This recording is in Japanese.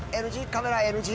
カメラＮＧ？